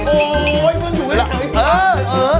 โอ๊ยเว้ยอยู่ก็ชะวิษีละ